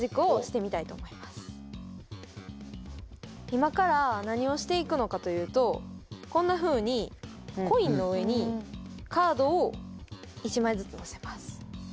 今から何をして行くのかというとこんなふうにコインの上にカードを１枚ずつ載せます。